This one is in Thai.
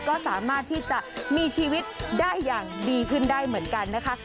ก็สามารถที่จะมีชีวิตได้อย่างดีขึ้นได้เหมือนกันนะคะ